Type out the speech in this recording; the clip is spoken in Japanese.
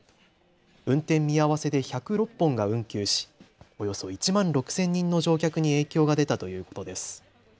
運転見合わせで１０６本が運休しおよそ１万６０００人の乗客に影響が出たということです。